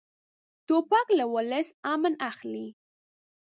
توپک له ولس امن اخلي.